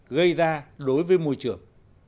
gây ra đối với môi trường